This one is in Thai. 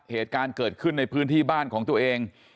เหตุการณ์เกิดขึ้นในพื้นที่บ้านของตัวเอง